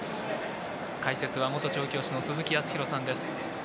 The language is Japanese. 解説は元調教師の鈴木康弘さんです。